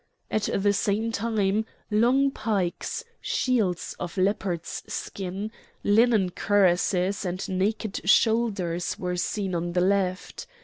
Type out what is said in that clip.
At the same time long pikes, shields of leopard's skin, linen cuirasses, and naked shoulders were seen on the left.